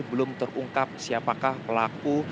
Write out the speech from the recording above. belum terungkap siapakah pelaku